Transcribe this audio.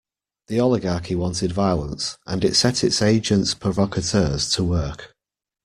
The Oligarchy wanted violence, and it set its agents provocateurs to work.